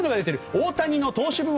大谷の投手部門